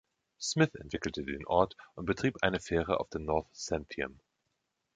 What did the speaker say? Smith entwickelte den Ort und betrieb eine Fähre auf der North Santiam.